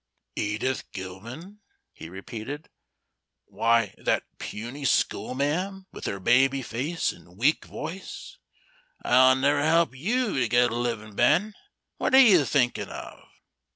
"Edith Gilman?" he repeated; "why, that puny schoolma'm, with her baby face and weak voice, 'll never help you to get a livin', Ben. What are you thinkin' of?"